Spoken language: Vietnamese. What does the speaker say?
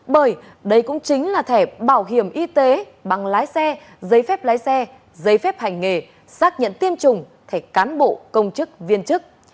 bởi đây cũng chính là thẻ bảo hiểm y tế bằng lái xe giấy phép lái xe giấy phép hành nghề xác nhận tiêm chủng thẻ cán bộ công chức viên chức